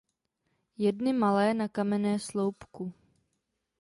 Jedny malé na kamenné sloupku.